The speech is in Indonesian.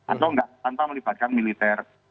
atau enggak tanpa melibatkan militer